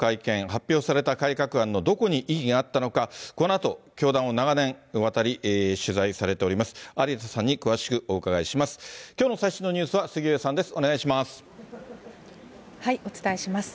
発表された改革案のどこに異議があったのか、このあと、教団を長年にわたり取材されています、有田さんに詳しくお伺いします。